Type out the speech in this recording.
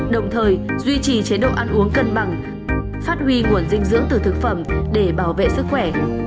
đồng thời duy trì chế độ ăn uống cân bằng phát huy nguồn dinh dưỡng từ thực phẩm để bảo vệ sức khỏe